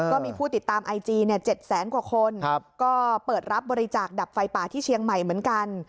ก็มีผู้ติดตามไอจี๗แสนกว่าคนก็เปิดรับบริจาคดับไฟป่าที่เชียงใหม่เหมือนกัน